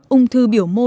ung thư biểu môi